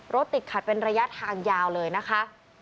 รถติดขัดเป็นระยะทางยาวเลยนะคะ